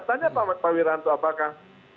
tanya pak wiranto apakah